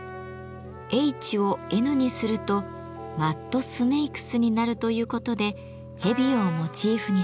ＨをＮにするとＭＵＤＳＮＡＫＥＳになるということでヘビをモチーフにしました。